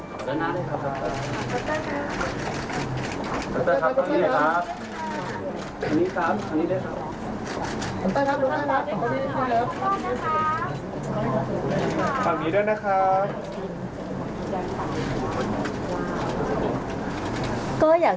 สวัสดีครับ